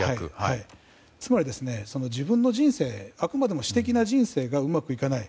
つまり、自分の人生あくまでも私的な人生がうまくいかない。